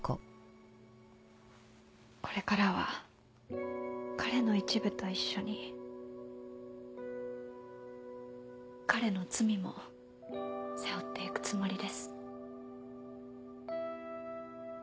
これからは彼の一部と一緒に彼の罪も背負って行くつもりです。